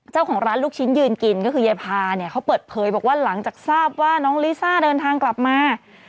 เจ้าของร้านลูกชิ้นยืนกินก็คือยายพาเนี่ยเขาเปิดเผยบอกว่าหลังจากทราบว่าน้องลิซ่าเดินทางกลับมา